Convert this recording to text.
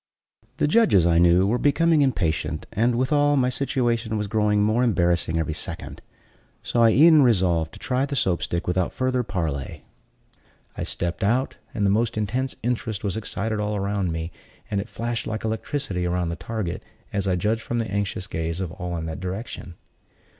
The judges, I knew, were becoming impatient, and, withal, my situation was growing more embarrassing every second; so I e'en resolved to try the Soap stick without further parley. I stepped out, and the most intense interest was excited all around me, and it flashed like electricity around the target, as I judged from the anxious gaze of all in that direction.